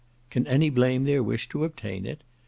Can any blame their wish to obtain it?